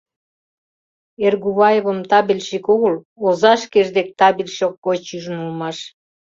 Эргуваевым табельщик огыл, оза шкеж дек табельщик гоч ӱжын улмаш.